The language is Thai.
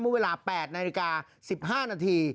เวลา๘นาฬิกา๑๕นาที